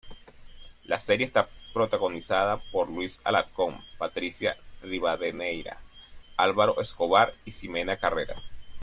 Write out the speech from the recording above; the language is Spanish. La serie está protagonizada por Luis Alarcón, Patricia Rivadeneira, Álvaro Escobar y Ximena Carrera.